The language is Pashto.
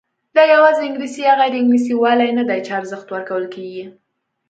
دا یوازې انګلیسي یا غیر انګلیسي والی نه دی چې ارزښت ورکول کېږي.